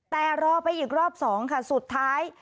แต่รอไปอีกรอบ๒สุดท้าย